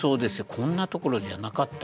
こんなところじゃなかった。